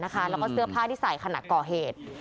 แล้วก็เสื้อผ้าที่ใส่ขณะก่อเหตุ